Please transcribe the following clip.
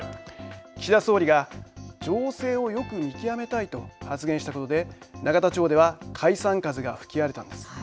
岸田総理が情勢をよく見極めたいと発言したことで永田町では解散風が吹き荒れたんです。